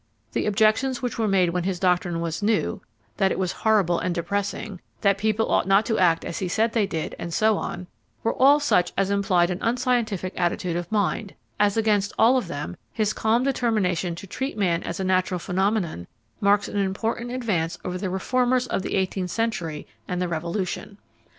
The objections which were made when his doctrine was new that it was horrible and depressing, that people ought not to act as he said they did, and so on were all such as implied an unscientific attitude of mind; as against all of them, his calm determination to treat man as a natural phenomenon marks an important advance over the reformers of the eighteenth century and the Revolution.